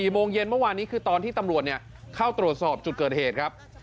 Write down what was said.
โมงเย็นเมื่อวานนี้คือตอนที่ตำรวจเข้าตรวจสอบจุดเกิดเหตุครับ